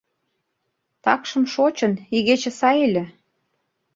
— Такшым шочын, игече сай ыле...